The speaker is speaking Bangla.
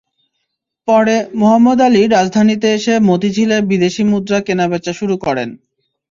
পরে মোহাম্মদ আলী রাজধানীতে এসে মতিঝিলে বিদেশি মুদ্রা কেনাবেচা শুরু করেন।